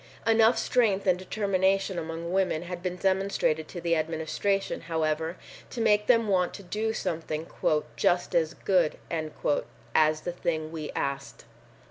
Enough strength and determination among women had been demonstrated to the Administration, however, to make them want to do something "just as good" as the thing we asked.